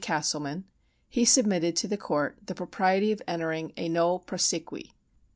Castleman, he submitted to the court the propriety of entering a nolle prosequi.